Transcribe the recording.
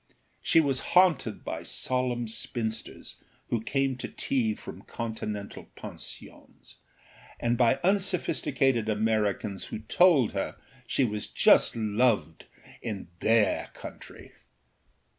She was haunted by solemn spinsters who came to tea from continental pensions, and by unsophisticated Americans who told her she was just loved in their country.